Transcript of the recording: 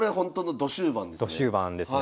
ど終盤ですね。